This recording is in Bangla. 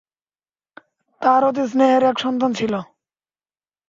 তার অতি স্নেহের এক সন্তান ছিল।